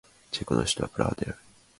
チェコの首都はプラハである